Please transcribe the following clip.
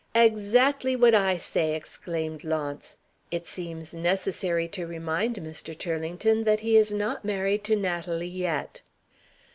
"Exactly what I say!" exclaimed Launce. "It seems necessary to remind Mr. Turlington that he is not married to Natalie yet!"